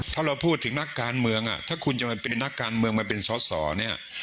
ถ้าเราพูดถึงนักการเมืองถ้าคุณจะมาเป็นนักการเมืองมาเป็นสอสอเนี่ย